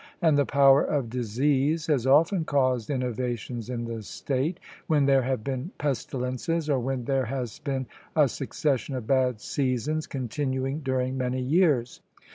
And the power of disease has often caused innovations in the state, when there have been pestilences, or when there has been a succession of bad seasons continuing during many years.